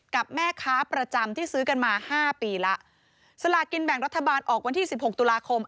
กับแม่ค้าประจำที่ซื้อกันมาห้าปีแล้วสลากินแบ่งรัฐบาลออกวันที่สิบหกตุลาคม